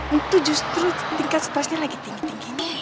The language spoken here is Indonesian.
itu justru tingkat stresnya lagi tinggi tingginya